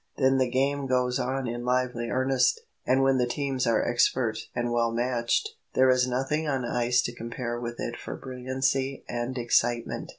Then the game goes on in lively earnest; and when the teams are expert and well matched, there is nothing on ice to compare with it for brilliancy and excitement.